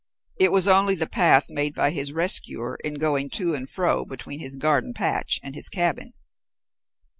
It was only the path made by his rescuer in going to and fro between his garden patch and his cabin.